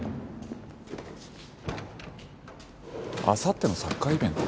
あさってのサッカーイベント？